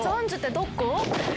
どこ？